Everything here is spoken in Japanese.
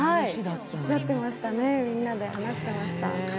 おっしゃってましたね、みんなで話してました。